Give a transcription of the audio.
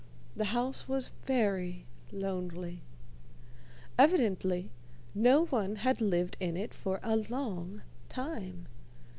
The house was very lonely. Evidently no one had lived in it for a long time.